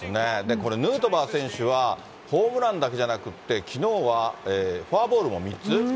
これ、ヌートバー選手は、ホームランだけじゃなくって、きのうはフォアボールも３つ？